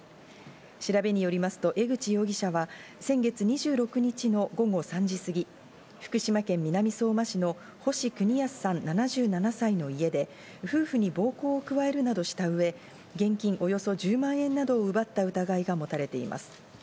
調べによりますと江口容疑者は先月２６日の午後３時過ぎ、福島県南相馬市の星邦康さん、７７歳の家で夫婦に暴行を加えるなどしたうえ現金およそ１０万円などを奪った疑いが持たれています。